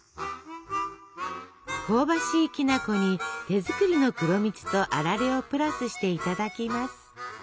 香ばしいきな粉に手作りの黒蜜とあられをプラスしていただきます。